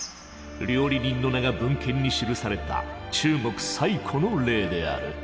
料理人の名が文献に記された中国最古の例である。